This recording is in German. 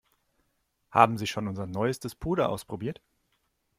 Haben Sie schon unser neuestes Puder ausprobiert?